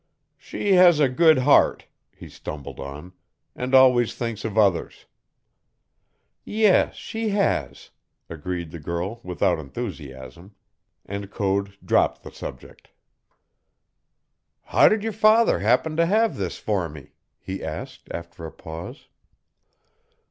"She has a good heart," he stumbled on, "and always thinks of others." "Yes, she has," agreed the girl without enthusiasm, and Code dropped the subject. "How did your father happen to have this for me?" he asked, after a pause.